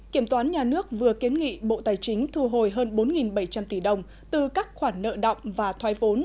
kiểm toán nhà nước vừa kiến nghị bộ tài chính thu hồi hơn bốn bảy trăm linh tỷ đồng từ các khoản nợ động và thoái vốn